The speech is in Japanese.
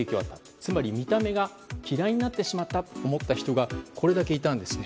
つまり見た目が嫌いになってしまったと思った人がこれだけいたんですね。